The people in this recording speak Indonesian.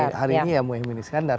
sampai hari ini ya muhaymin iskandar